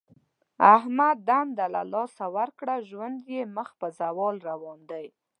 احمد دنده له لاسه ورکړه. ژوند یې مخ په زوال روان دی.